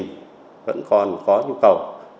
chúng ta vẫn còn có nhu cầu